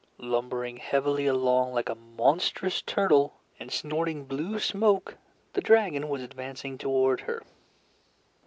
Lumbering heavily along like a monstrous turtle, and snorting blue smoke, the dragon was advancing toward her.